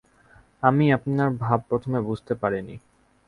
আমি আপনার ভাব প্রথমে বুঝতে পারিনি।